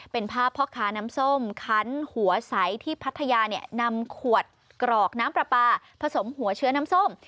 เป็นภาพพ่อค้าน้ำส้มคันหัวใสที่พัทยาเนี่ยนำขวดกรอกน้ำปลาปลาผสมหัวเชื้อน้ำส้ม